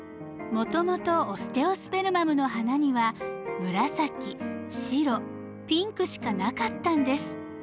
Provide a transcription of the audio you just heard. もともとオステオスペルマムの花には紫白ピンクしかなかったんです。